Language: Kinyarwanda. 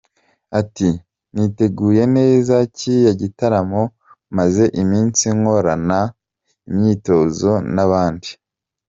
Ati « Niteguye neza kiriya gitaramo, maze iminsi nkorana imyitozo na band.